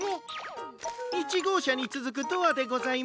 １ごうしゃにつづくドアでございます。